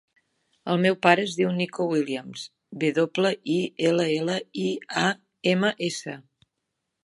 El meu pare es diu Niko Williams: ve doble, i, ela, ela, i, a, ema, essa.